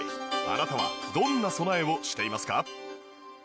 あなたはどんな備えをしていますか？